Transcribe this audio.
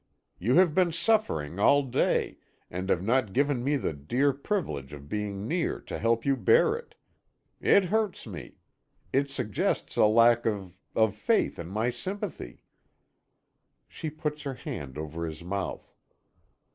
You have been suffering all day, and have not given me the dear privilege of being near to help you bear it. It hurts me. It suggests a lack of of faith in my sympathy " She puts her hand over his mouth.